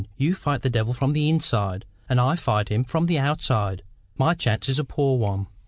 You fight the devil from the inside, and I fight him from the outside. My chance is a poor one."